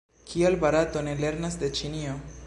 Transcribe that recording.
Kial Barato ne lernas de Ĉinio?